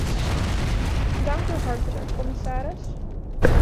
Dank u hartelijk, commissaris.